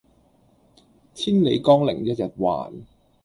千里江陵一日還